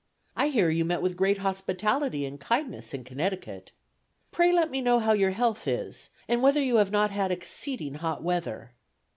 I hear you met with great hospitality and kindness in Connecticut. Pray let me know how your health is, and whether you have not had exceeding hot weather.